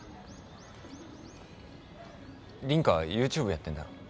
花ＹｏｕＴｕｂｅやってんだろ？